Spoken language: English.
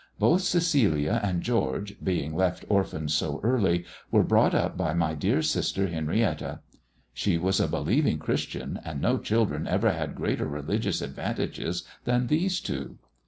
Both Cecilia and George, being left orphans so early, were brought up by my dear sister Henrietta. She was a believing Christian, and no children ever had greater religious advantages than these two.